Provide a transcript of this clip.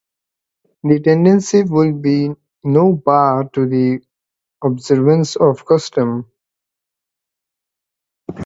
This tendency would be no bar to the observance of the custom.